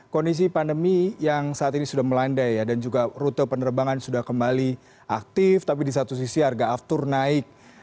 kondisi pandemi yang saat ini sudah melandai dan juga rute penerbangan sudah kembali aktif tapi di satu sisi harga aftur naik